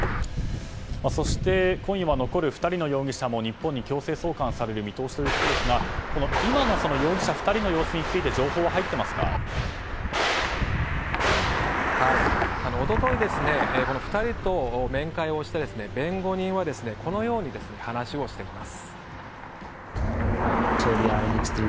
そして、今夜は残る２人の容疑者も日本に感染送還される見通しということですが今の容疑者２人の様子について一昨日、この２人と面会をして弁護人はこのように話しています。